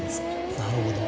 なるほど。